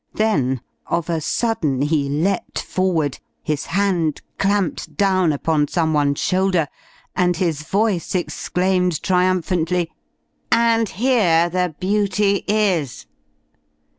Then, of a sudden he leapt forward, his hand clamped down upon someone's shoulder, and his voice exclaimed triumphantly: "And here the beauty is!"